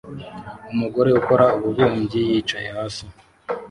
umugore ukora ububumbyi yicaye hasi